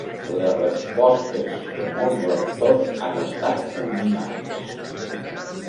Les respostes de molts lectors han estat fulminants.